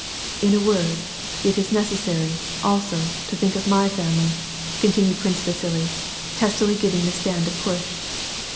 " In a word, it is necessary, also, to think of my family," continued Prince Vasili, testily giving the stand a push.